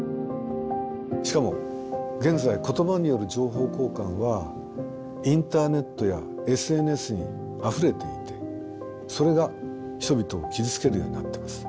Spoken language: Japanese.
しかも現在言葉による情報交換はインターネットやＳＮＳにあふれていてそれが人々を傷つけるようになってます。